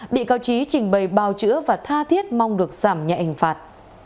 bị cao trí trình bày bào chữa và tha thiết mong được giảm nhà ảnh phạt